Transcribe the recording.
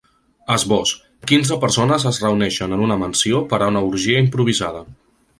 Esbós: Quinze persones es reuneixen en una mansió per a una orgia improvisada.